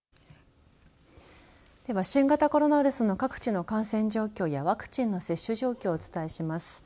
では、新型コロナウイルスの各地の感染状況やワクチンの接種状況をお伝えします。